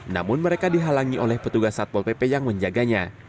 namun mereka dihalangi oleh petugas satpol pp yang menjaganya